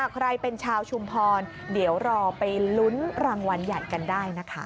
ใครเป็นชาวชุมพรเดี๋ยวรอไปลุ้นรางวัลใหญ่กันได้นะคะ